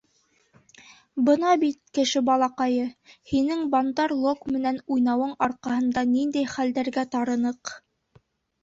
Бына бит, кеше балаҡайы, һинең Бандар-лог менән уйнауың арҡаһында ниндәй хәлдәргә тарыныҡ.